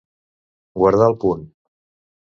Guardar el punt.